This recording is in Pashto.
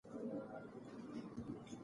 ذکر د بنده او خالق اړیکه ټینګوي.